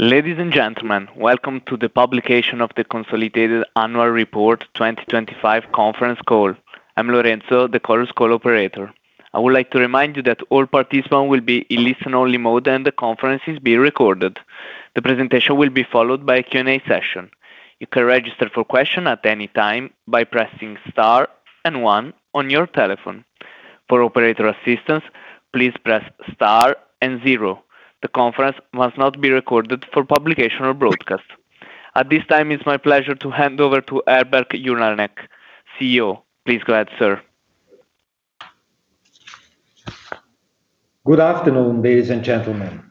Ladies and gentlemen, welcome to the publication of the Consolidated Annual Report 2025 conference call. I'm Lorenzo, the Chorus Call operator. I would like to remind you that all participants will be in listen-only mode, and the conference is being recorded. The presentation will be followed by a Q&A session. You can register for question at any time by pressing star and one on your telephone. For operator assistance, please press star and zero. The conference must not be recorded for publication or broadcast. At this time, it's my pleasure to hand over to Herbert Juranek, CEO. Please go ahead, sir. Good afternoon, ladies and gentlemen.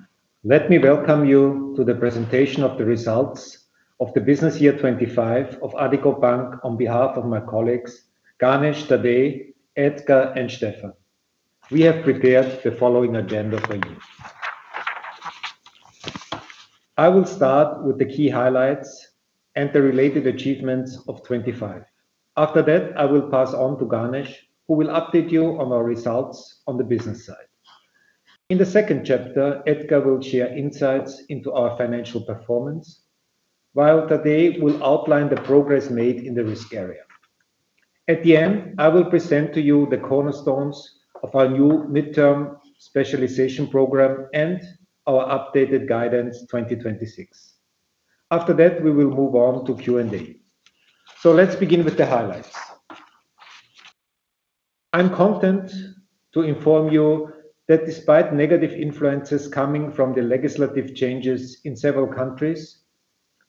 Let me welcome you to the presentation of the results of the business year 25 of Addiko Bank on behalf of my colleagues, Ganesh, Tadej, Ettore, and Stefan. We have prepared the following agenda for you. I will start with the key highlights and the related achievements of 25. I will pass on to Ganesh, who will update you on our results on the business side. In the second chapter, Ettore will share insights into our financial performance, while Tadej will outline the progress made in the risk area. At the end, I will present to you the cornerstones of our new midterm specialization program and our updated guidance, 2026. We will move on to Q&A. Let's begin with the highlights. I'm content to inform you that despite negative influences coming from the legislative changes in several countries,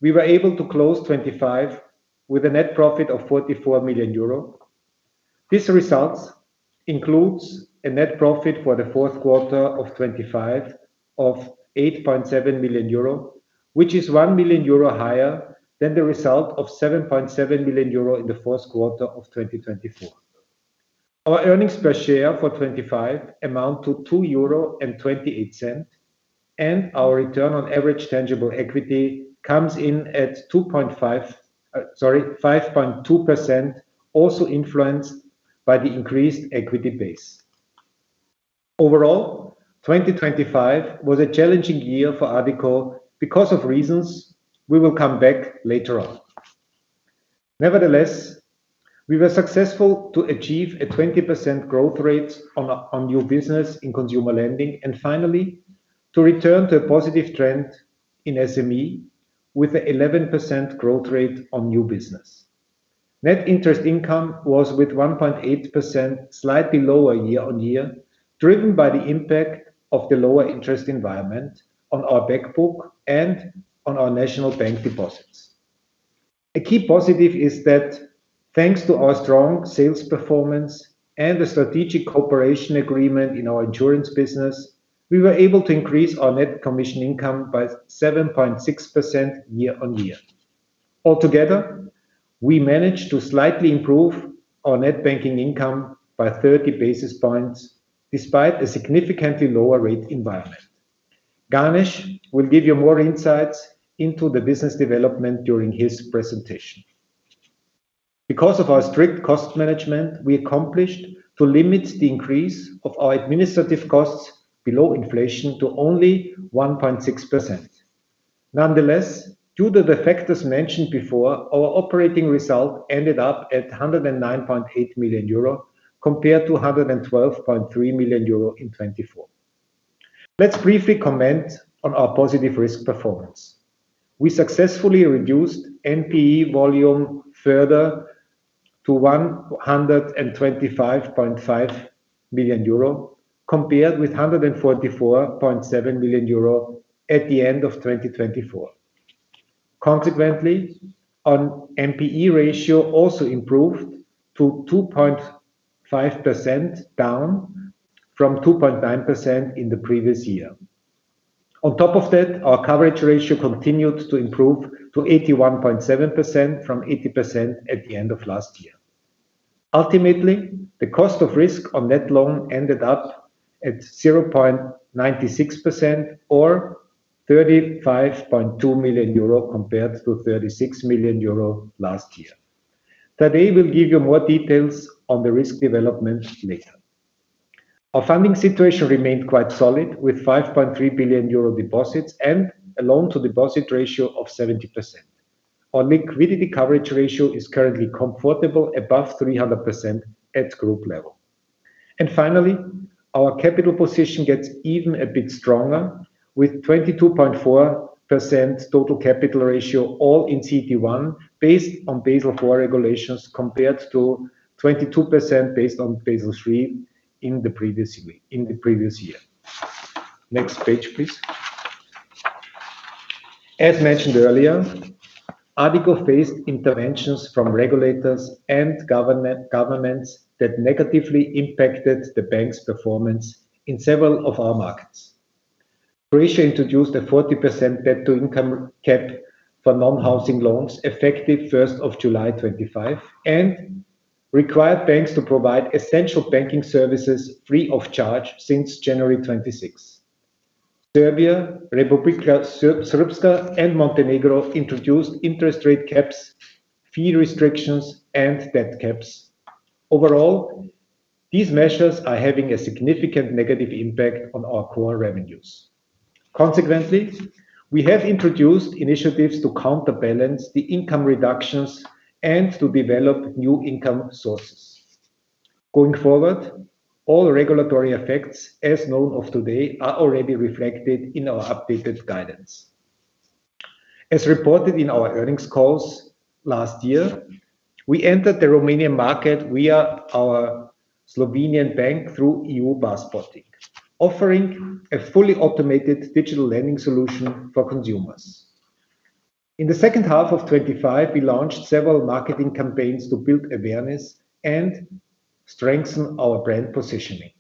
we were able to close 2025 with a net profit of 44 million euro. This results includes a net profit for the Q4 of 2025 of 8.7 million euro, which is 1 million euro higher than the result of 7.7 million euro in the Q1 of 2024. Our earnings per share for 2025 amount to 2.28 euro, and our return on average tangible equity comes in at 5.2%, also influenced by the increased equity base. Overall, 2025 was a challenging year for Addiko because of reasons we will come back later on. We were successful to achieve a 20% growth rate on new business in consumer lending and finally, to return to a positive trend in SME with 11% growth rate on new business. Net interest income was, with 1.8%, slightly lower year-on-year, driven by the impact of the lower interest environment on our back book and on our national bank deposits. A key positive is that thanks to our strong sales performance and the strategic cooperation agreement in our insurance business, we were able to increase our Net commission income by 7.6% year-on-year. We managed to slightly improve our Net banking income by 30 basis points despite a significantly lower rate environment. Ganesh will give you more insights into the business development during his presentation. Because of our strict cost management, we accomplished to limit the increase of our administrative costs below inflation to only 1.6%. Nonetheless, due to the factors mentioned before, our operating result ended up at 109.8 million euro compared to 112.3 million euro in 2024. Let's briefly comment on our positive risk performance. We successfully reduced NPE volume further to 125.5 million euro, compared with 144.7 million euro at the end of 2024. Consequently, on NPE ratio also improved to 2.5% down from 2.9% in the previous year. On top of that, our coverage ratio continued to improve to 81.7% from 80% at the end of last year. Ultimately, the cost of risk on net loan ended up at 0.96% or 35.2 million euro compared to 36 million euro last year. Tadej will give you more details on the risk development later. Our funding situation remained quite solid, with 5.3 billion euro deposits and a loan-to-deposit ratio of 70%. Our liquidity coverage ratio is currently comfortable above 300% at group level. Finally, our capital position gets even a bit stronger, with 22.4% total capital ratio all in CET1 based on Basel IV regulations, compared to 22% based on Basel III in the previous year. Next page, please. As mentioned earlier, Addiko faced interventions from regulators and governments that negatively impacted the bank's performance in several of our markets. Croatia introduced a 40% debt-to-income cap for non-housing loans effective 1st of July, 2025, and required banks to provide essential banking services free of charge since January 26th. Serbia, Republika Srpska, and Montenegro introduced interest rate caps, fee restrictions, and debt caps. Overall, these measures are having a significant negative impact on our core revenues. Consequently, we have introduced initiatives to counterbalance the income reductions and to develop new income sources. Going forward, all regulatory effects, as known of today, are already reflected in our updated guidance. As reported in our earnings calls last year, we entered the Romanian market via our Slovenian bank through EU passporting, offering a fully automated digital lending solution for consumers. In the second half of 2025, we launched several marketing campaigns to build awareness and strengthen our brand positioning.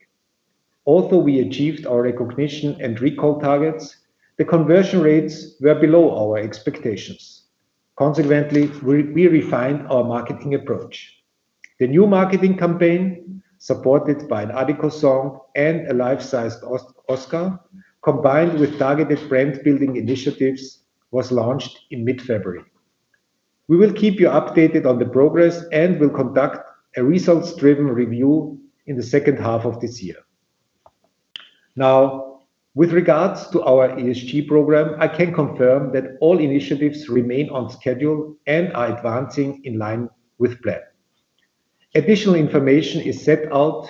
Although we achieved our recognition and recall targets, the conversion rates were below our expectations. Consequently, we refined our marketing approach. The new marketing campaign, supported by an Addiko song and a life-sized Oscar, combined with targeted brand-building initiatives, was launched in mid-February. We will keep you updated on the progress and will conduct a results-driven review in the second half of this year. With regards to our ESG program, I can confirm that all initiatives remain on schedule and are advancing in line with plan. Additional information is set out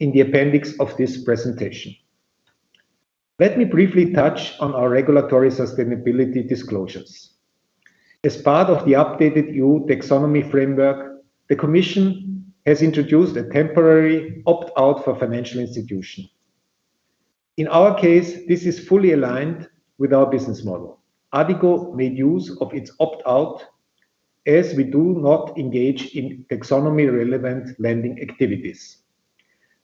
in the appendix of this presentation. Let me briefly touch on our regulatory sustainability disclosures. As part of the updated EU Taxonomy framework, the commission has introduced a temporary opt-out for financial institutions. In our case, this is fully aligned with our business model. Addiko made use of its opt-out as we do not engage in taxonomy-relevant lending activities.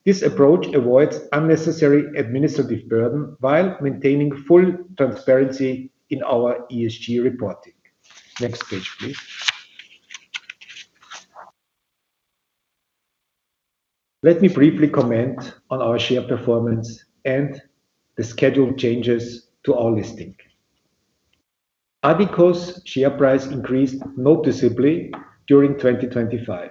This approach avoids unnecessary administrative burden while maintaining full transparency in our ESG reporting. Next page, please. Let me briefly comment on our share performance and the scheduled changes to our listing. Addiko's share price increased noticeably during 2025,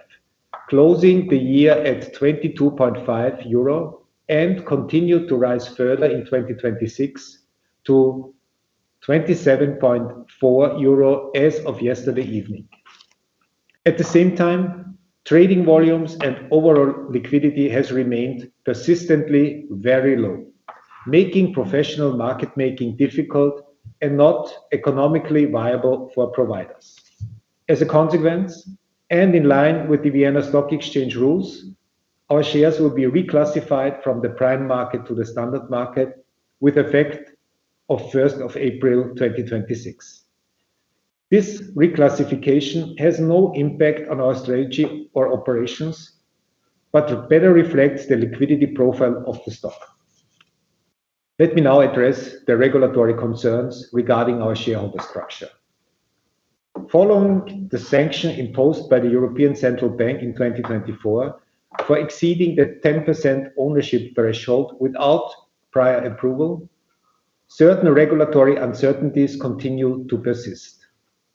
closing the year at 22.5 euro, and continued to rise further in 2026 to 27.4 euro as of yesterday evening. At the same time, trading volumes and overall liquidity has remained persistently very low, making professional market making difficult and not economically viable for providers. As a consequence, and in line with the Vienna Stock Exchange rules, our shares will be reclassified from the prime market to the standard market with effect of 1st of April, 2026. This reclassification has no impact on our strategy or operations, but it better reflects the liquidity profile of the stock. Let me now address the regulatory concerns regarding our shareholder structure. Following the sanction imposed by the European Central Bank in 2024 for exceeding the 10% ownership threshold without prior approval, certain regulatory uncertainties continue to persist.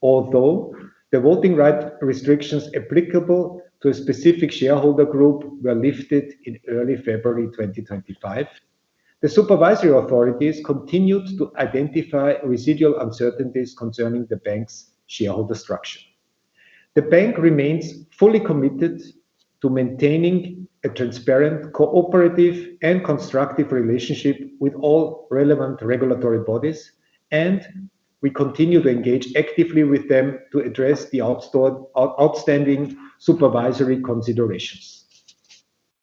Although the voting right restrictions applicable to a specific shareholder group were lifted in early February, 2025, the supervisory authorities continued to identify residual uncertainties concerning the bank's shareholder structure. The bank remains fully committed to maintaining a transparent, cooperative, and constructive relationship with all relevant regulatory bodies, and we continue to engage actively with them to address the outstanding supervisory considerations.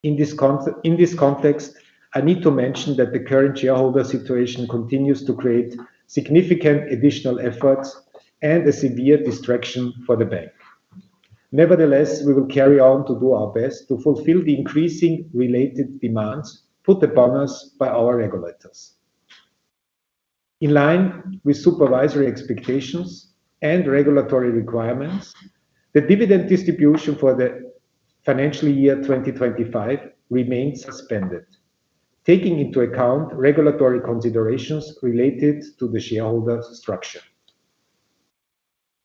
In this context, I need to mention that the current shareholder situation continues to create significant additional efforts and a severe distraction for the bank. Nevertheless, we will carry on to do our best to fulfill the increasing related demands put upon us by our regulators. In line with supervisory expectations and regulatory requirements, the dividend distribution for the financial year 2025 remains suspended, taking into account regulatory considerations related to the shareholder structure.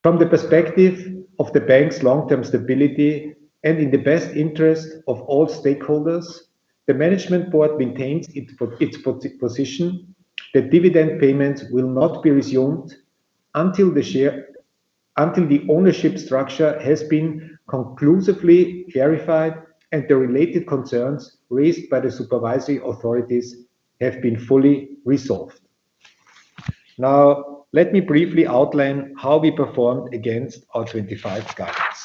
From the perspective of the bank's long-term stability and in the best interest of all stakeholders, the management board maintains its position that dividend payments will not be resumed until the ownership structure has been conclusively clarified and the related concerns raised by the supervisory authorities have been fully resolved. Let me briefly outline how we performed against our 25 guidance.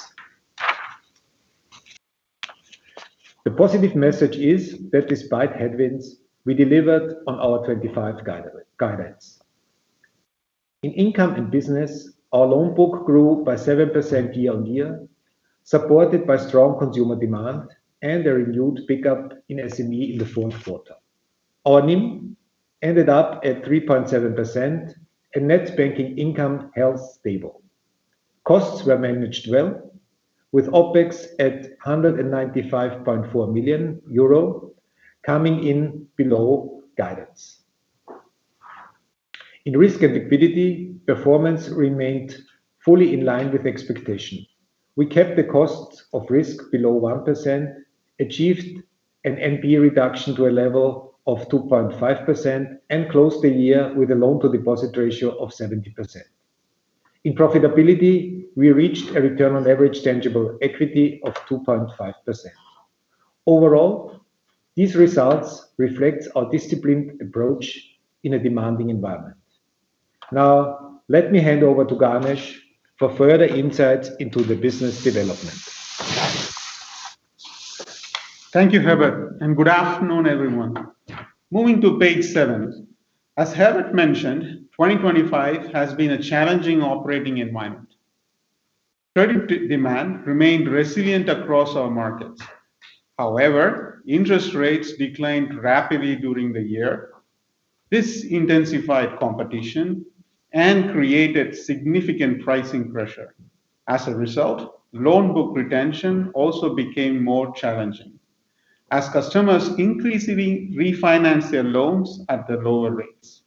The positive message is that despite headwinds, we delivered on our 25 guidance. In income and business, our loan book grew by 7% year-on-year, supported by strong consumer demand and a renewed pickup in SME in the Q4. Our NIM ended up at 3.7% and net banking income held stable. Costs were managed well, with OpEx at 195.4 million euro, coming in below guidance. In risk and liquidity, performance remained fully in line with expectation. We kept the costs of risk below 1%, achieved an NPA reduction to a level of 2.5%, and closed the year with a loan-to-deposit ratio of 70%. In profitability, we reached a return on average tangible equity of 2.5%. Overall, these results reflects our disciplined approach in a demanding environment. Let me hand over to Ganesh for further insights into the business development. Thank you, Herbert. Good afternoon, everyone. Moving to page seven, as Herbert mentioned, 2025 has been a challenging operating environment. Credit demand remained resilient across our markets. Interest rates declined rapidly during the year. This intensified competition and created significant pricing pressure. Loan book retention also became more challenging as customers increasingly refinance their loans at the lower rates.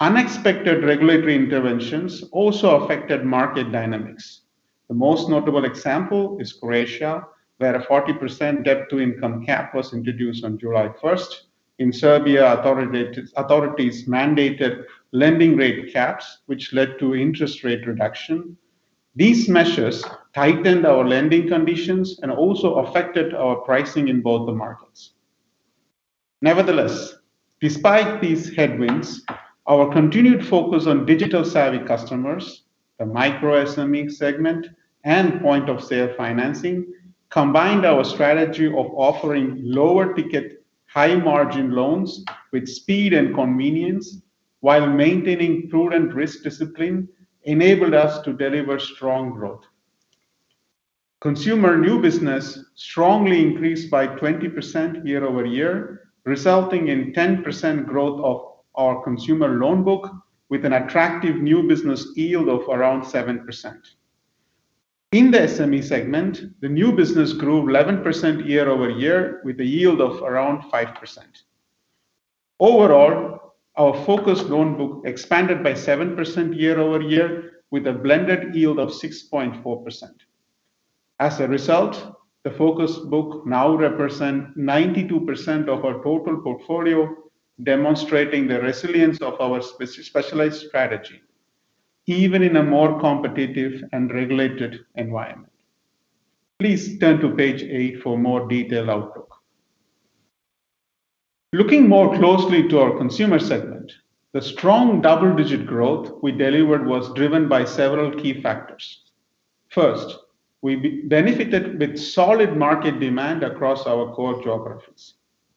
Unexpected regulatory interventions also affected market dynamics. The most notable example is Croatia, where a 40% debt-to-income cap was introduced on July first. In Serbia, authorities mandated lending rate caps, which led to interest rate reduction. These measures tightened our lending conditions and also affected our pricing in both the markets. Nevertheless, despite these headwinds, our continued focus on digital-savvy customers, the micro SME segment, and point-of-sale financing, combined our strategy of offering lower-ticket, high-margin loans with speed and convenience while maintaining prudent risk discipline enabled us to deliver strong growth. Consumer new business strongly increased by 20% year-over-year, resulting in 10% growth of our consumer loan book with an attractive new business yield of around 7%. In the SME segment, the new business grew 11% year-over-year with a yield of around 5%. Overall, our focused loan book expanded by 7% year-over-year with a blended yield of 6.4%. As a result, the focus book now represent 92% of our total portfolio, demonstrating the resilience of our specialized strategy, even in a more competitive and regulated environment. Please turn to page eight for more detailed outlook. Looking more closely to our consumer segment, the strong double-digit growth we delivered was driven by several key factors. First, we benefited with solid market demand across our core geographies.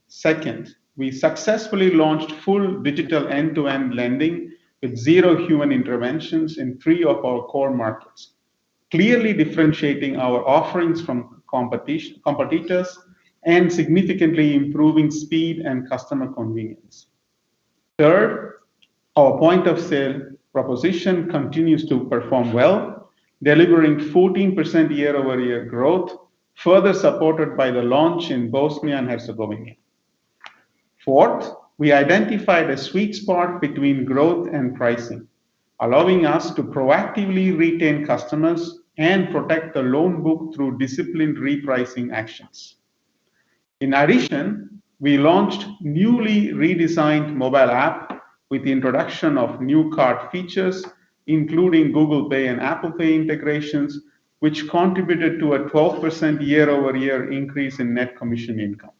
Second, we successfully launched full digital end-to-end lending with zero human interventions in three of our core markets, clearly differentiating our offerings from competitors and significantly improving speed and customer convenience. Third, our point-of-sale proposition continues to perform well, delivering 14% year-over-year growth, further supported by the launch in Bosnia and Herzegovina. Fourth, we identified a sweet spot between growth and pricing, allowing us to proactively retain customers and protect the loan book through disciplined repricing actions. In addition, we launched newly redesigned mobile app with the introduction of new card features, including Google Pay and Apple Pay integrations, which contributed to a 12% year-over-year increase in net commission income.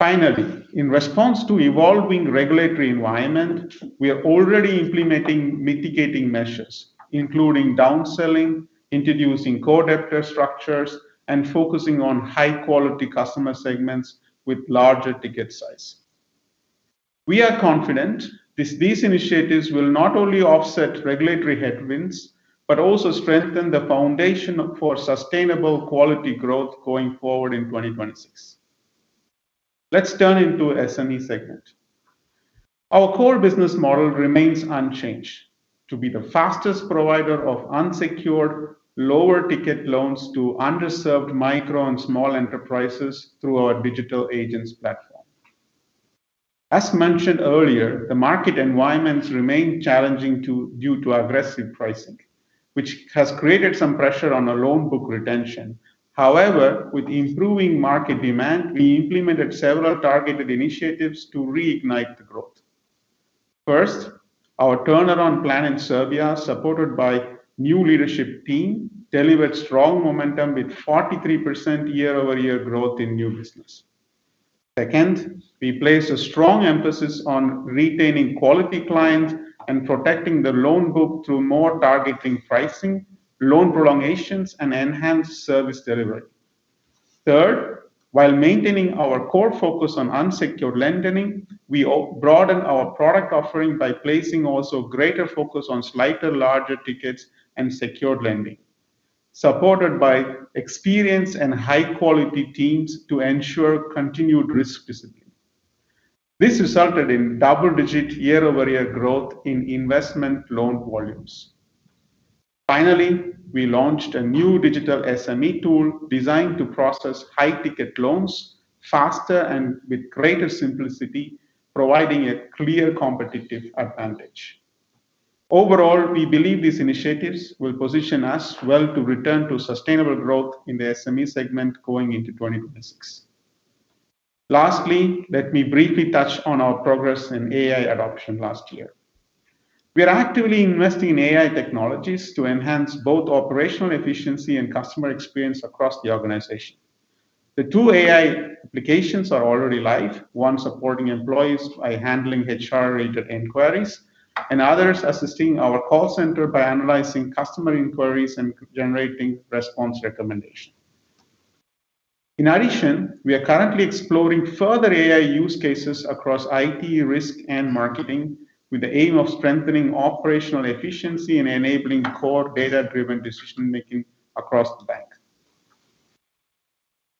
Finally, in response to evolving regulatory environment, we are already implementing mitigating measures, including downselling, introducing co-debtor structures, and focusing on high-quality customer segments with larger ticket size. We are confident that these initiatives will not only offset regulatory headwinds, but also strengthen the foundation for sustainable quality growth going forward in 2026. Let's turn into SME segment. Our core business model remains unchanged: to be the fastest provider of unsecured lower-ticket loans to underserved micro and small enterprises through our digital agents platform. As mentioned earlier, the market environments remain challenging due to aggressive pricing, which has created some pressure on our loan book retention. With improving market demand, we implemented several targeted initiatives to reignite the growth. First, our turnaround plan in Serbia, supported by new leadership team, delivered strong momentum with 43% year-over-year growth in new business. Second, we place a strong emphasis on retaining quality clients and protecting the loan book through more targeting pricing, loan prolongations, and enhanced service delivery. Third, while maintaining our core focus on unsecured lending, we broaden our product offering by placing also greater focus on slightly larger tickets and secured lending, supported by experienced and high-quality teams to ensure continued risk discipline. This resulted in double-digit year-over-year growth in investment loan volumes. Finally, we launched a new digital SME tool designed to process high-ticket loans faster and with greater simplicity, providing a clear competitive advantage. Overall, we believe these initiatives will position us well to return to sustainable growth in the SME segment going into 2026. Lastly, let me briefly touch on our progress in AI adoption last year. We are actively investing in AI technologies to enhance both operational efficiency and customer experience across the organization. The two AI applications are already live, one supporting employees by handling HR-related inquiries and others assisting our call center by analyzing customer inquiries and generating response recommendation. In addition, we are currently exploring further AI use cases across IT, risk, and marketing with the aim of strengthening operational efficiency and enabling core data-driven decision-making across the bank.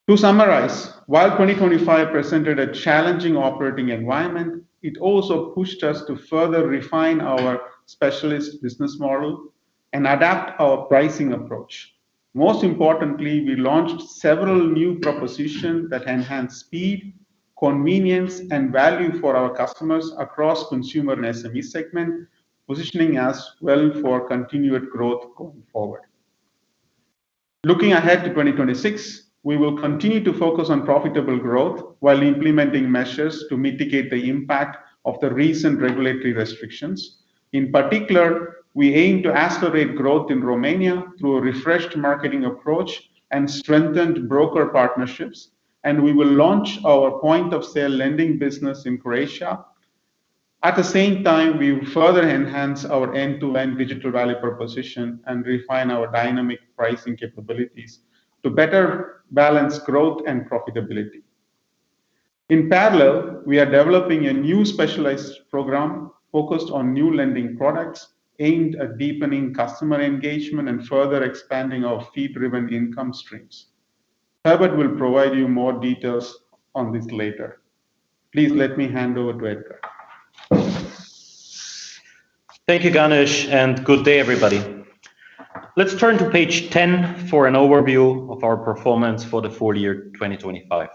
To summarize, while 2025 presented a challenging operating environment, it also pushed us to further refine our specialist business model and adapt our pricing approach. Most importantly, we launched several new propositions that enhance speed, convenience, and value for our customers across consumer and SME segment, positioning us well for continued growth going forward. Looking ahead to 2026, we will continue to focus on profitable growth while implementing measures to mitigate the impact of the recent regulatory restrictions. In particular, we aim to accelerate growth in Romania through a refreshed marketing approach and strengthened broker partnerships. We will launch our point-of-sale lending business in Croatia. At the same time, we will further enhance our end-to-end digital value proposition and refine our dynamic pricing capabilities to better balance growth and profitability. In parallel, we are developing a new specialized program focused on new lending products aimed at deepening customer engagement and further expanding our fee-driven income streams. Herbert will provide you more details on this later. Please let me hand over to Ettore. Thank you, Ganesh. Good day, everybody. Let's turn to page 10 for an overview of our performance for the full year 2025.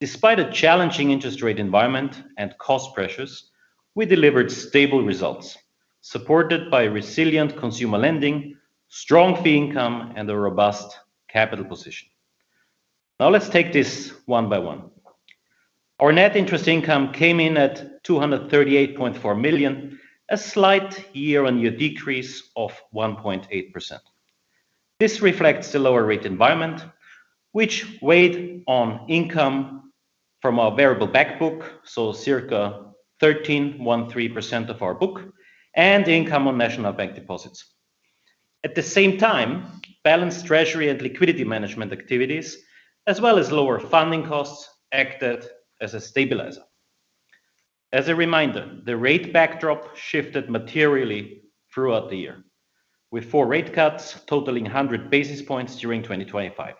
Despite a challenging interest rate environment and cost pressures, we delivered stable results supported by resilient consumer lending, strong fee income, and a robust capital position. Now, let's take this one by one. Our net interest income came in at 238.4 million, a slight year-on-year decrease of 1.8%. This reflects the lower rate environment which weighed on income from our variable back book, so circa 13.13% of our book and the income on national bank deposits. At the same time, balanced treasury and liquidity management activities, as well as lower funding costs, acted as a stabilizer. As a reminder, the rate backdrop shifted materially throughout the year, with four rate cuts totaling 100 basis points during 2025,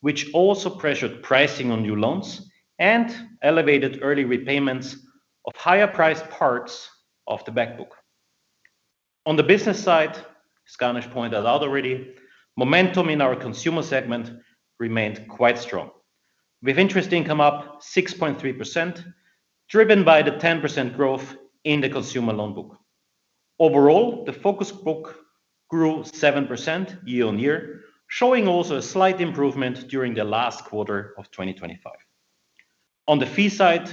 which also pressured pricing on new loans and elevated early repayments of higher-priced parts of the back book. On the business side, as Ganesh pointed out already, momentum in our consumer segment remained quite strong, with interest income up 6.3%, driven by the 10% growth in the consumer loan book. The focus book grew 7% year-on-year, showing also a slight improvement during the last quarter of 2025. On the fee side,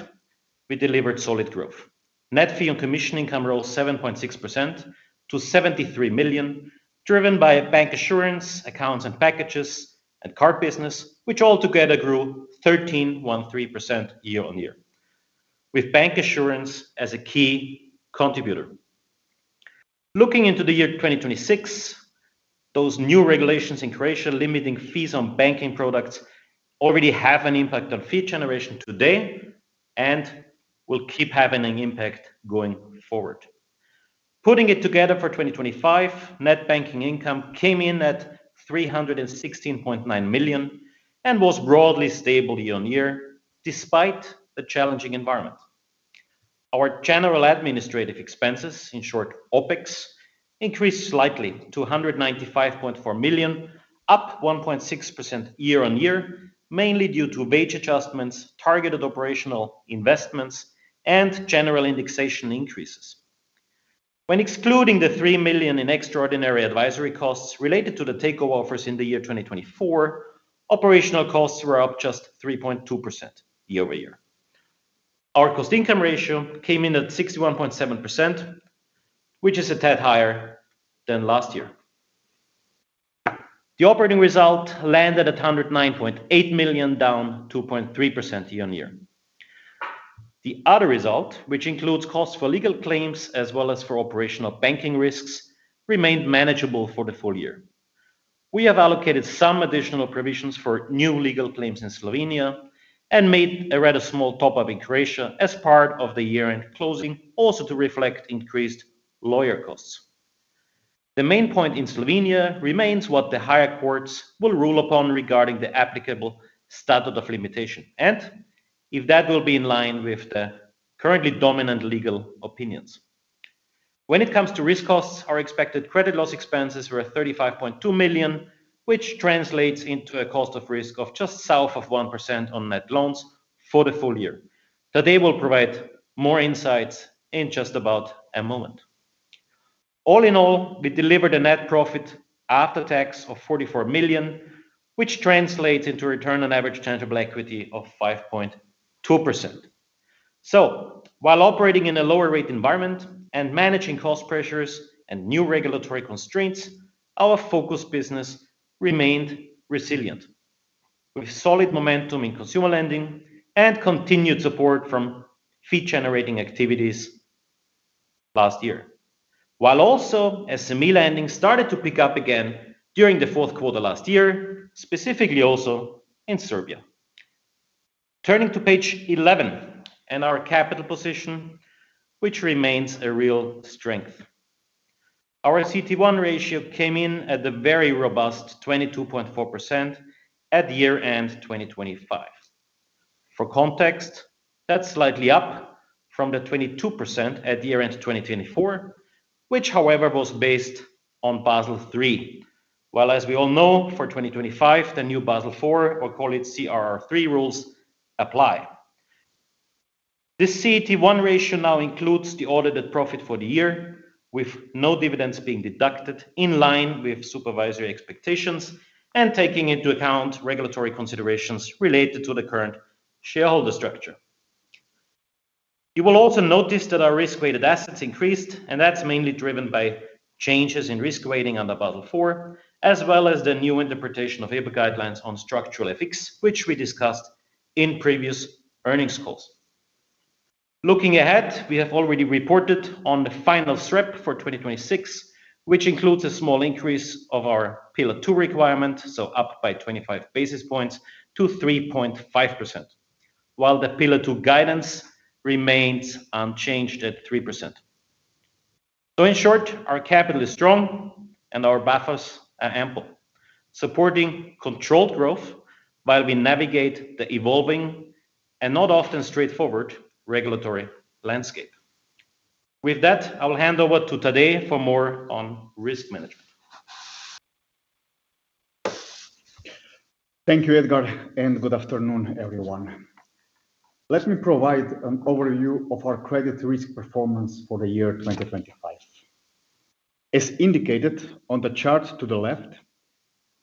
we delivered solid growth. Net fee and commission income rose 7.6% to 73 million, driven by bancassurance, accounts and packages, and card business, which altogether grew 13.13% year-on-year, with bancassurance as a key contributor. Looking into the year 2026, those new regulations in Croatia limiting fees on banking products already have an impact on fee generation today and will keep having an impact going forward. Putting it together for 2025, net banking income came in at 316.9 million and was broadly stable year-on-year, despite the challenging environment. Our general administrative expenses, in short, OpEx, increased slightly to 195.4 million, up 1.6% year-on-year, mainly due to wage adjustments, targeted operational investments, and general indexation increases. When excluding the 3 million in extraordinary advisory costs related to the takeover offers in the year 2024, operational costs were up just 3.2% year-over-year. Our cost-income ratio came in at 61.7%, which is a tad higher than last year. The operating result landed at 109.8 million, down 2.3% year-on-year. The other result, which includes costs for legal claims as well as for operational banking risks, remained manageable for the full year. We have allocated some additional provisions for new legal claims in Slovenia and made a rather small top-up in Croatia as part of the year-end closing, also to reflect increased lawyer costs. The main point in Slovenia remains what the higher courts will rule upon regarding the applicable statute of limitation. If that will be in line with the currently dominant legal opinions. When it comes to risk costs, our expected credit loss expenses were 35.2 million, which translates into a cost of risk of just south of 1% on net loans for the full year. Tadej will provide more insights in just about a moment. All in all, we delivered a net profit after tax of 44 million, which translates into return on average tangible equity of 5.2%. While operating in a lower rate environment and managing cost pressures and new regulatory constraints, our focus business remained resilient, with solid momentum in consumer lending and continued support from fee-generating activities last year, while also SME lending started to pick up again during the Q4 last year, specifically also in Serbia. Turning to page 11 and our capital position, which remains a real strength. Our CET1 ratio came in at the very robust 22.4% at year-end 2025. For context, that's slightly up from the 22% at year-end 2024, which however was based on Basel III, while as we all know, for 2025, the new Basel IV, or call it CRR3 rules, apply. This CET1 ratio now includes the audited profit for the year, with no dividends being deducted in line with supervisory expectations and taking into account regulatory considerations related to the current shareholder structure. You will also notice that our risk-weighted assets increased, and that's mainly driven by changes in risk weighting under Basel IV, as well as the new interpretation of EBA guidelines on structural FX, which we discussed in previous earnings calls. Looking ahead, we have already reported on the final SREP for 2026, which includes a small increase of our Pillar two requirement, up by 25 basis points to 3.5%, while the Pillar two guidance remains unchanged at 3%. In short, our capital is strong and our buffers are ample, supporting controlled growth while we navigate the evolving and not often straightforward regulatory landscape. With that, I will hand over to Tadej for more on risk management. Thank you, Ettore. Good afternoon, everyone. Let me provide an overview of our credit risk performance for the year 2025. As indicated on the chart to the left,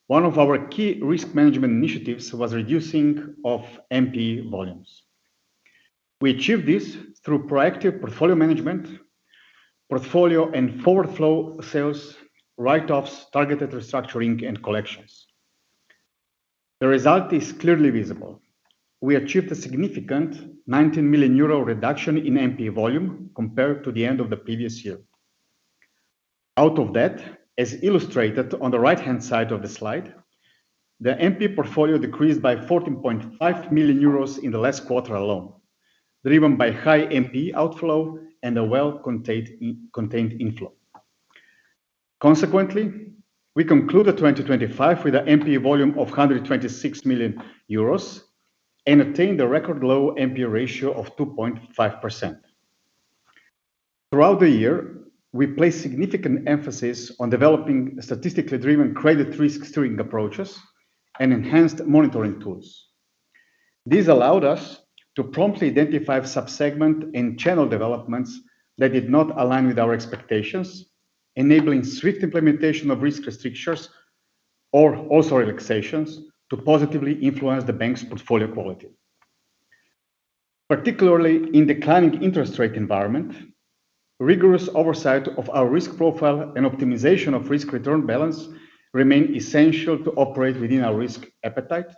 one of our key risk management initiatives was reducing of NPE volumes. We achieved this through proactive portfolio management, portfolio and forward flow sales, write-offs, targeted restructuring, and collections. The result is clearly visible. We achieved a significant 19 million euro reduction in NPE volume compared to the end of the previous year. Out of that, as illustrated on the right-hand side of the slide, the NPE portfolio decreased by 14.5 million euros in the last quarter alone, driven by high NPE outflow and a well-contained inflow. Consequently, we concluded 2025 with a NPE volume of 126 million euros and attained a record low NPE ratio of 2.5%. Throughout the year, we placed significant emphasis on developing statistically driven credit risk steering approaches and enhanced monitoring tools. This allowed us to promptly identify sub-segment and channel developments that did not align with our expectations, enabling swift implementation of risk restrictions or also relaxations to positively influence the bank's portfolio quality. Particularly in declining interest rate environment, rigorous oversight of our risk profile and optimization of risk-return balance remain essential to operate within our risk appetite,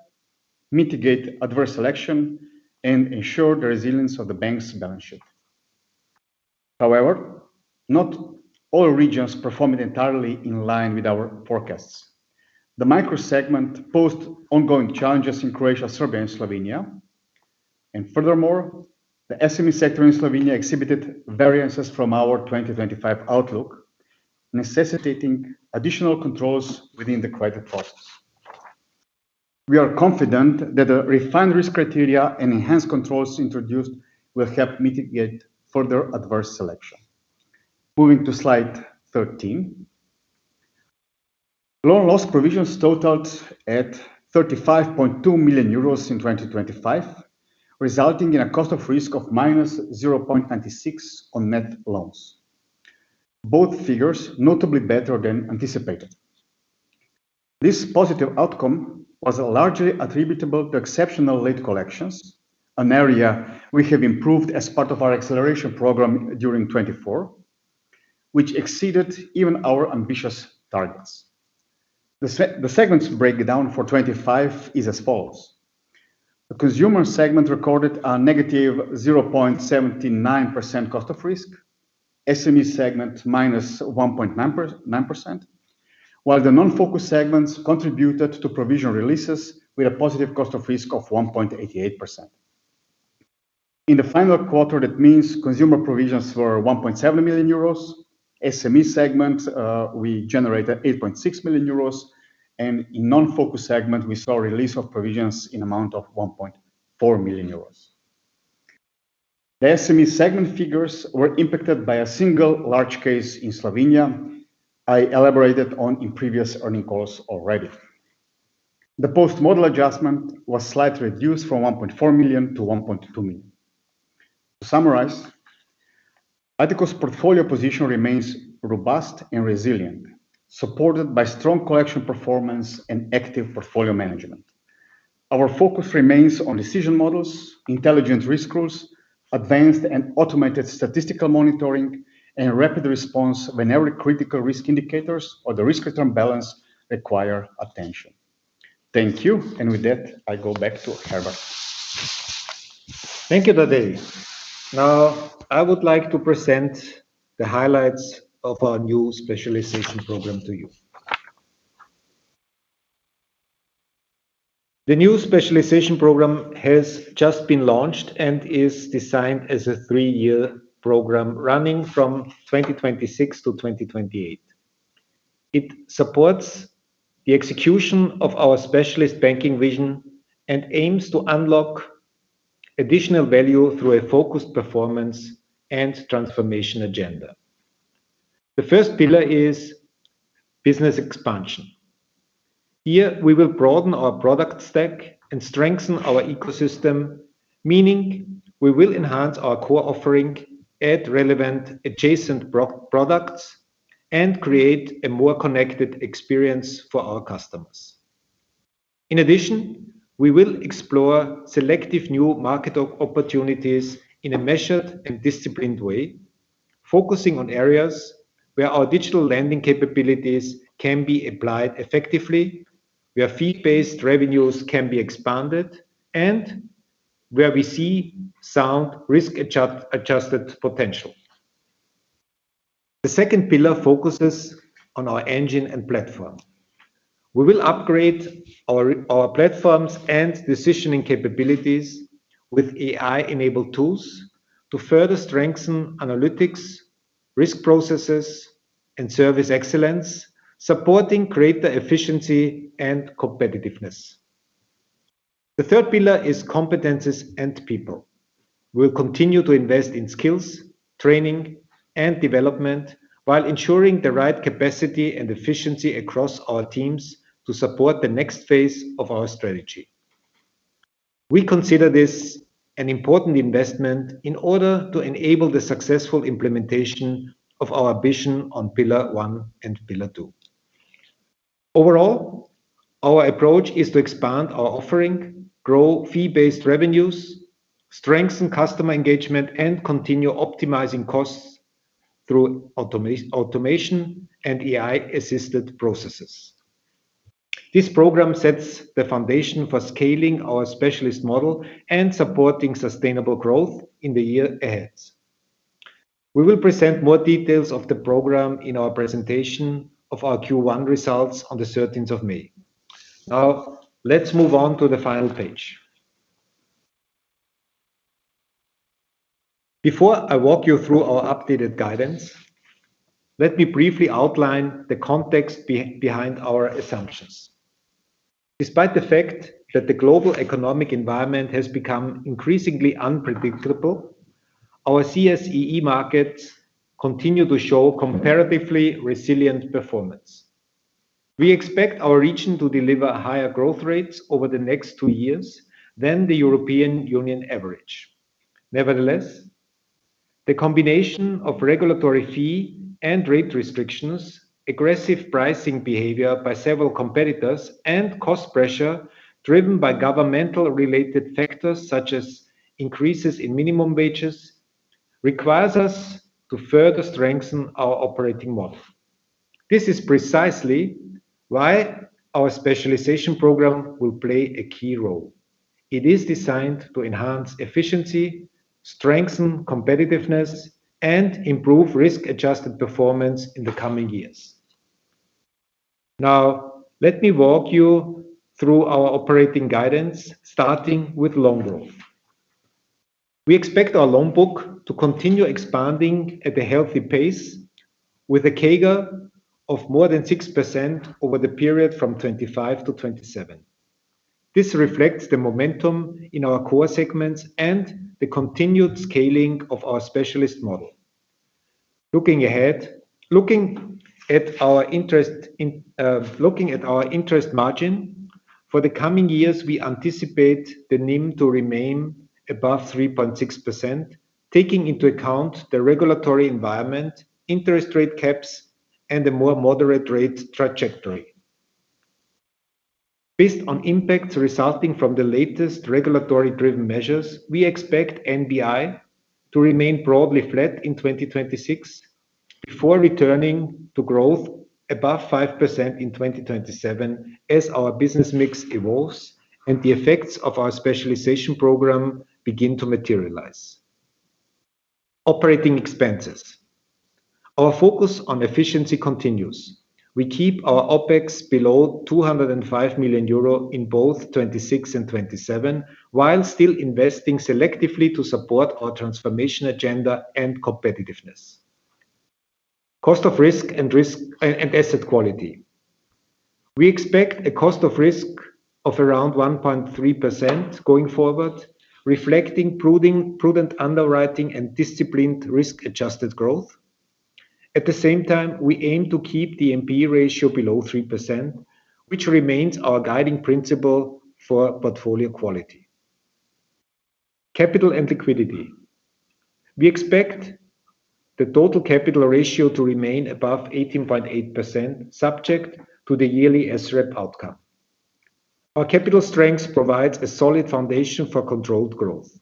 mitigate adverse selection, and ensure the resilience of the bank's balance sheet. Not all regions performed entirely in line with our forecasts. The micro segment posed ongoing challenges in Croatia, Serbia, and Slovenia. The SME sector in Slovenia exhibited variances from our 2025 outlook, necessitating additional controls within the credit process. We are confident that the refined risk criteria and enhanced controls introduced will help mitigate further adverse selection. Moving to slide 13. Loan loss provisions totaled at 35.2 million euros in 2025, resulting in a cost of risk of -0.96% on net loans, both figures notably better than anticipated. This positive outcome was largely attributable to exceptional late collections, an area we have improved as part of our acceleration program during 2024, which exceeded even our ambitious targets. The segment breakdown for 2025 is as follows. The consumer segment recorded a negative 0.79% cost of risk, SME segment -1.99%, while the non-focus segments contributed to provision releases with a positive cost of risk of 1.88%. In the final quarter, that means consumer provisions were 1.7 million euros. SME segment, we generated 8.6 million euros, and in non-focus segment, we saw a release of provisions in amount of 1.4 million euros. The SME segment figures were impacted by a single large case in Slovenia I elaborated on in previous earning calls already. The post-model adjustment was slightly reduced from 1.4 million to 1.2 million. To summarize, Addiko's portfolio position remains robust and resilient, supported by strong collection performance and active portfolio management. Our focus remains on decision models, intelligent risk rules, advanced and automated statistical monitoring, and rapid response whenever critical risk indicators or the risk return balance require attention. Thank you. With that, I go back to Herbert. Thank you, Tadej. Now, I would like to present the highlights of our new specialization program to you. The new specialization program has just been launched and is designed as a three-year program running from 2026 to 2028. It supports the execution of our specialist banking vision and aims to unlock additional value through a focused performance and transformation agenda. The first pillar is business expansion. Here, we will broaden our product stack and strengthen our ecosystem, meaning we will enhance our core offering at relevant adjacent products and create a more connected experience for our customers. In addition, we will explore selective new market opportunities in a measured and disciplined way, focusing on areas where our digital lending capabilities can be applied effectively, where fee-based revenues can be expanded, and where we see sound risk adjusted potential. The second pillar focuses on our engine and platform. We will upgrade our platforms and decisioning capabilities with AI-enabled tools to further strengthen analytics, risk processes, and service excellence, supporting greater efficiency and competitiveness. The third pillar is competencies and people. We'll continue to invest in skills, training, and development while ensuring the right capacity and efficiency across our teams to support the next phase of our strategy. We consider this an important investment in order to enable the successful implementation of our vision on pillar one and pillar two. Overall, our approach is to expand our offering, grow fee-based revenues, strengthen customer engagement, and continue optimizing costs through automation and AI-assisted processes. This program sets the foundation for scaling our specialist model and supporting sustainable growth in the year ahead. We will present more details of the program in our presentation of our Q1 results on the 13th of May. Let's move on to the final page. Before I walk you through our updated guidance, let me briefly outline the context behind our assumptions. Despite the fact that the global economic environment has become increasingly unpredictable, our CSEE markets continue to show comparatively resilient performance. We expect our region to deliver higher growth rates over the next two years than the European Union average. The combination of regulatory fee and rate restrictions, aggressive pricing behavior by several competitors, and cost pressure driven by governmental related factors such as increases in minimum wages, requires us to further strengthen our operating model. This is precisely why our specialization program will play a key role. It is designed to enhance efficiency, strengthen competitiveness, and improve risk-adjusted performance in the coming years. Let me walk you through our operating guidance, starting with loan growth. We expect our loan book to continue expanding at a healthy pace with a CAGR of more than 6% over the period from 2025 to 2027. This reflects the momentum in our core segments and the continued scaling of our specialist model. Looking ahead, looking at our interest margin, for the coming years, we anticipate the NIM to remain above 3.6%, taking into account the regulatory environment, interest rate caps, and a more moderate rate trajectory. Based on impacts resulting from the latest regulatory driven measures, we expect NBI to remain broadly flat in 2026 before returning to growth above 5% in 2027 as our business mix evolves and the effects of our specialization program begin to materialize. Operating expenses. Our focus on efficiency continues. We keep our OpEx below 205 million euro in both 2026 and 2027, while still investing selectively to support our transformation agenda and competitiveness. Cost of risk and asset quality. We expect a cost of risk of around 1.3% going forward, reflecting prudent underwriting and disciplined risk-adjusted growth. At the same time, we aim to keep the NPE ratio below 3%, which remains our guiding principle for portfolio quality. Capital and liquidity. We expect the total capital ratio to remain above 18.8%, subject to the yearly SREP outcome. Our capital strength provides a solid foundation for controlled growth.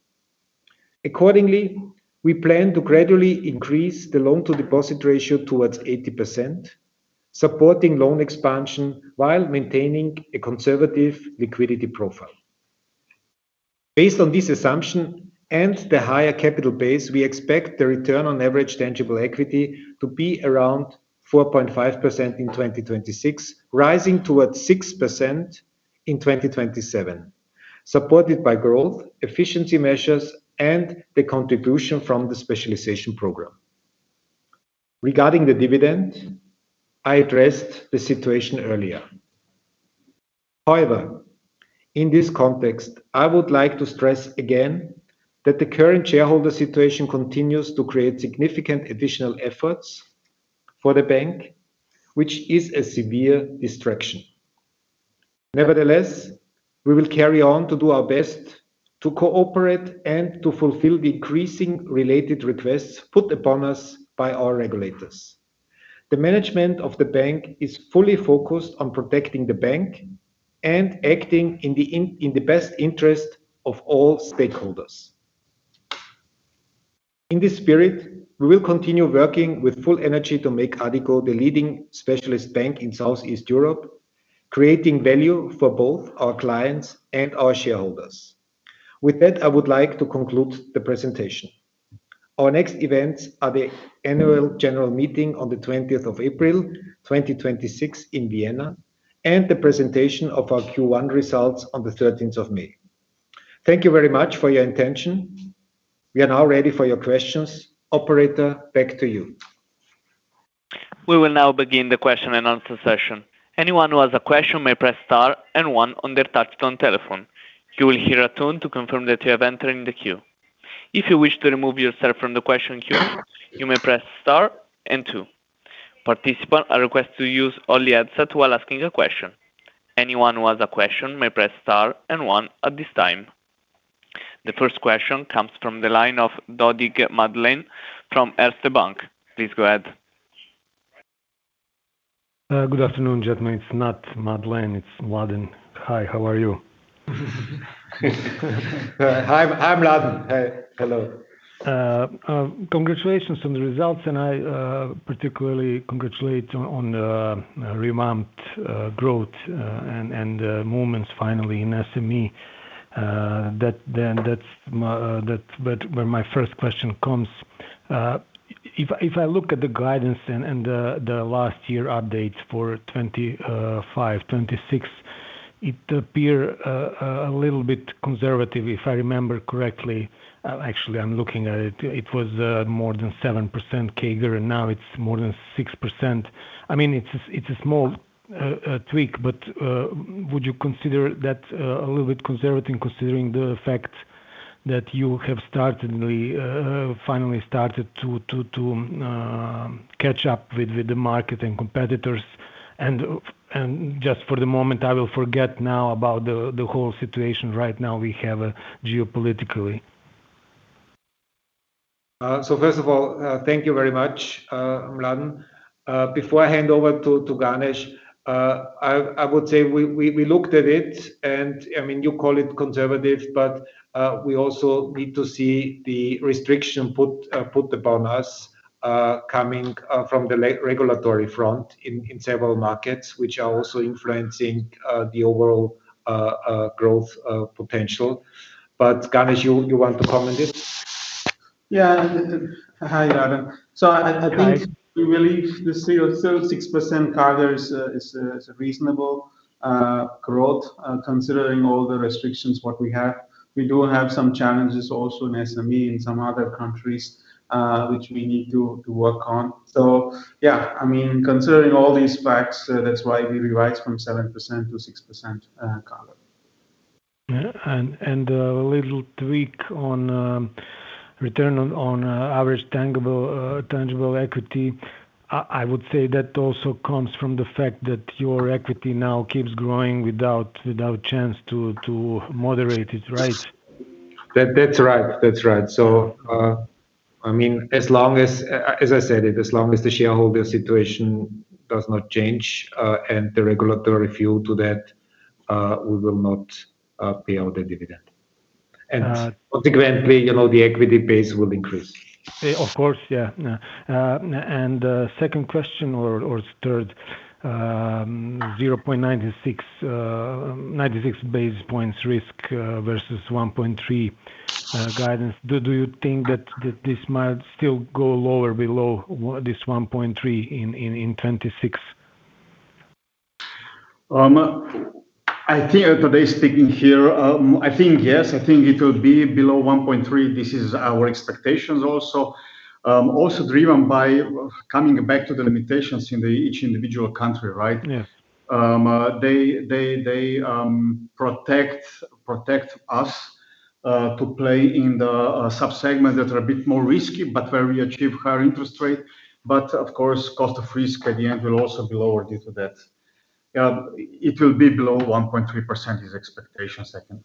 Accordingly, we plan to gradually increase the loan-to-deposit ratio towards 80%, supporting loan expansion while maintaining a conservative liquidity profile. Based on this assumption and the higher capital base, we expect the return on average tangible equity to be around 4.5% in 2026, rising towards 6% in 2027, supported by growth, efficiency measures, and the contribution from the specialization program. Regarding the dividend, I addressed the situation earlier. In this context, I would like to stress again that the current shareholder situation continues to create significant additional efforts for the bank, which is a severe distraction. We will carry on to do our best to cooperate and to fulfill decreasing related requests put upon us by our regulators. The management of the bank is fully focused on protecting the bank and acting in the best interest of all stakeholders. In this spirit, we will continue working with full energy to make Addiko the leading specialist bank in South East Europe, creating value for both our clients and our shareholders. With that, I would like to conclude the presentation. Our next events are the annual general meeting on the 20th of April, 2026 in Vienna, and the presentation of our Q1 results on the 13th of May. Thank you very much for your attention. We are now ready for your questions. Operator, back to you. We will now begin the question and answer session. Anyone who has a question may press star and one on their touchtone telephone. You will hear a tune to confirm that you have entered in the queue. If you wish to remove yourself from the question queue, you may press star and two. Participants are requested to use only headset while asking a question. Anyone who has a question may press star and one at this time. The first question comes from the line of Mladen Dodig from Erste Bank. Please go ahead. Good afternoon, gentlemen. It's not Madeleine, it's Mladen. Hi, how are you? Hi. Hi, Mladen. Hello. Congratulations on the results, and I particularly congratulate on the revamped growth and movements finally in SME. That then that's where my first question comes. If I look at the guidance and the last year updates for 2025, 2026, it appear a little bit conservative, if I remember correctly. Actually, I'm looking at it. It was more than 7% CAGR, and now it's more than 6%. I mean, it's a small tweak, but would you consider that a little bit conservative considering the fact that you have finally started to catch up with the market and competitors? Just for the moment, I will forget now about the whole situation right now we have, geopolitically. First of all, thank you very much, Mladen. Before I hand over to Ganesh, I would say we looked at it, and I mean, you call it conservative, but we also need to see the restriction put upon us, coming from the re-regulatory front in several markets, which are also influencing the overall growth potential. Ganesh, you want to comment it? Yeah. Hi, Mladen. I think we believe the 6% CAGR is a reasonable growth considering all the restrictions, what we have. We do have some challenges also in SME in some other countries, which we need to work on. yeah, I mean, considering all these facts, that's why we revised from 7% to 6% CAGR. Yeah. A little tweak on return on average tangible equity. I would say that also comes from the fact that your equity now keeps growing without a chance to moderate it, right? That's right. That's right. I mean, as long as I said, as long as the shareholder situation does not change, and the regulatory feel to that, we will not pay out the dividend. Consequently, you know, the equity base will increase. Of course. Yeah. The second question or third, 0.96 basis points risk, versus 1.3 guidance. Do you think that this might still go lower below this 1.3 in 2026? I think today speaking here, I think yes, I think it will be below 1.3. This is our expectations also. Also driven by coming back to the limitations in the each individual country, right? Yeah. They protect us to play in the sub-segment that are a bit more risky, but where we achieve higher interest rate. Of course, cost of risk at the end will also be lower due to that. It will be below 1.3% is expectations, I can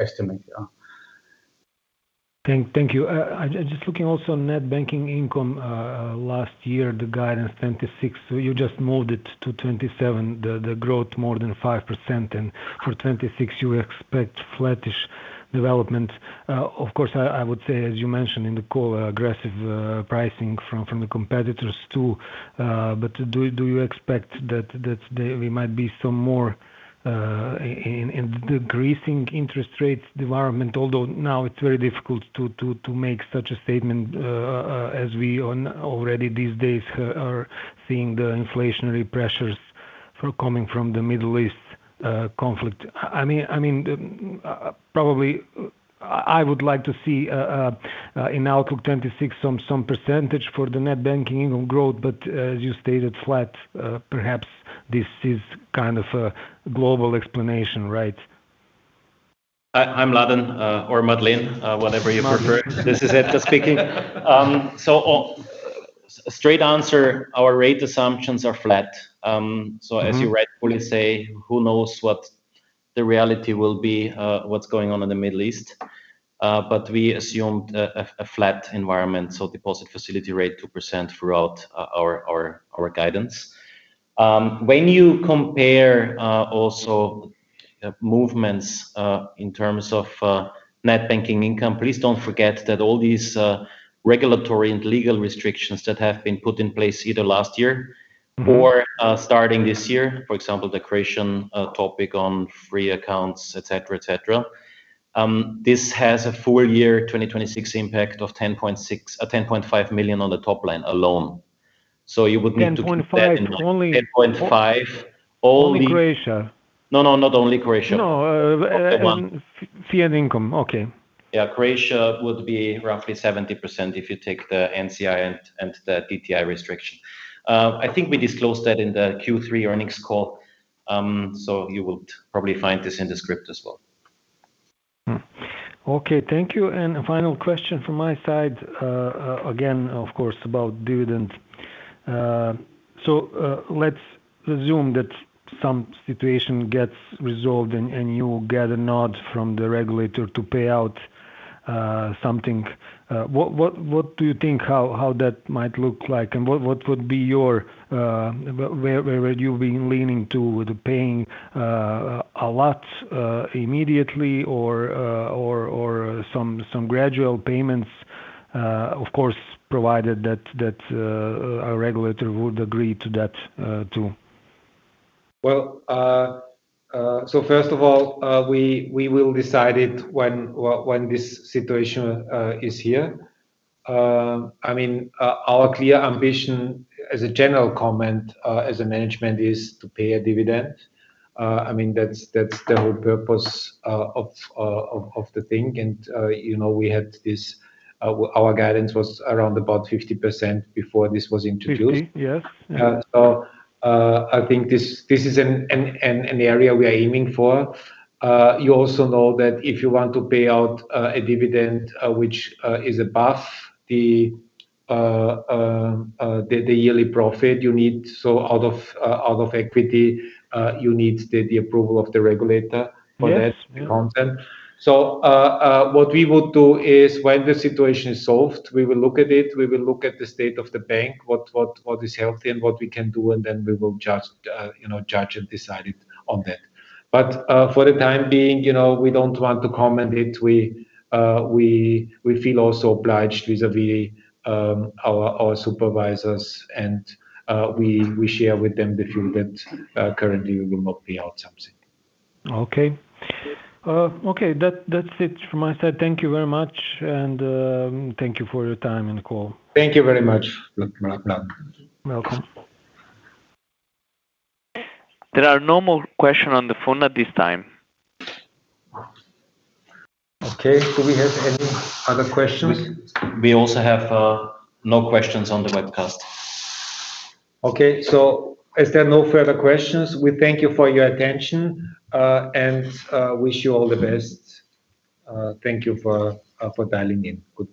estimate. Yeah. Thank you. I just looking also net banking income last year, the guidance 2026. You just moved it to 2027, the growth more than 5%. For 2026 you expect flattish development. Of course, I would say, as you mentioned in the call, aggressive pricing from the competitors too. Do you expect that there we might be some more in decreasing interest rates environment? Although now it's very difficult to make such a statement as we already these days are seeing the inflationary pressures coming from the Middle East conflict. I mean, probably I would like to see in outlook 2026 some % for the net banking income growth, but as you stated, flat, perhaps this is kind of a global explanation, right? I'm Mladen, or Madeleine, whatever you prefer. Mladen. This is Ettore speaking. Straight answer, our rate assumptions are flat. As you rightfully say, who knows what the reality will be, what's going on in the Middle East. We assumed a flat environment, deposit facility rate 2% throughout our guidance. When you compare also movements in terms of net banking income, please don't forget that all these regulatory and legal restrictions that have been put in place either last year or starting this year. For example, the Croatian topic on free accounts, et cetera, et cetera. This has a full year 2026 impact of 10.5 million on the top line alone. You would need to keep that in mind. 10.5 only. 10.5, only. Only Croatia. No, no, not only Croatia. No. fee and income. Okay. Yeah. Croatia would be roughly 70% if you take the NCI and the DTI restriction. I think we disclosed that in the Q3 earnings call. You would probably find this in the script as well. Okay. Thank you. Final question from my side, again, of course, about dividend. Let's assume that some situation gets resolved and you get a nod from the regulator to pay out something. What do you think how that might look like, and where would you be leaning to with paying a lot immediately or some gradual payments? Of course, provided that a regulator would agree to that, too. First of all, we will decide it when this situation is here. I mean, our clear ambition as a general comment, as a management is to pay a dividend. I mean, that's the whole purpose of the thing. You know, our guidance was around about 50% before this was introduced. 50, yeah. I think this is an area we are aiming for. You also know that if you want to pay out a dividend, which is above the yearly profit you need, so out of equity, you need the approval of the regulator for that. Yes. Content. What we would do is, when the situation is solved, we will look at it, we will look at the state of the bank, what is healthy and what we can do, and then we will you know, judge and decide it on that. For the time being, you know, we don't want to comment it. We feel also obliged vis-a-vis our supervisors and we share with them the view that currently we will not pay out something. Okay. That's it from my side. Thank you very much and, thank you for your time in the call. Thank you very much. You're welcome. There are no more questions on the phone at this time. Okay. Do we have any other questions? We also have no questions on the webcast. Okay. As there are no further questions, we thank you for your attention, and wish you all the best. Thank you for dialing in. Goodbye.